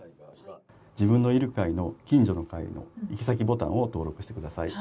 自分のいる階の近所の階の行き先ボタンを登録してください。